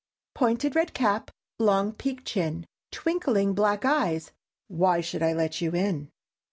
_ _"Pointed red cap, Long peakèd chin, Twinkling black eyes, Why should I let you in?"